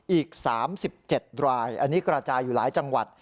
อีก๓๗รายอันนี้กระจายอยู่หลายจังหวัด